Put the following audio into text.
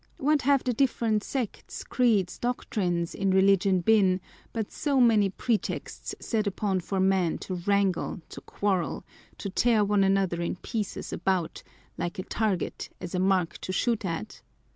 What have the different sects, creeds, doctrines, in religion been but so many pretexts set up for men to wrangle, to quarrel, to tear one another in pieces about, like a target as a mark to shoot at